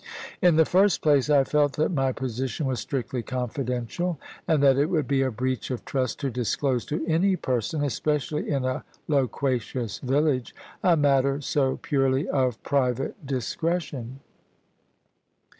In the first place, I felt that my position was strictly confidential, and that it would be a breach of trust to disclose to any person (especially in a loquacious village) a matter so purely of private discretion.